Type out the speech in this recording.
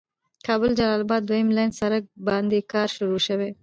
کابل جلال آباد دويم لين سړک باندې کار شروع شوي.